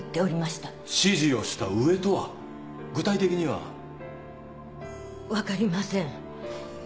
指示をした上とは具体的には。分かりません。